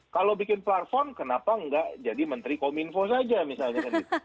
kalau bikin platform kenapa nggak jadi menteri kominfo saja misalnya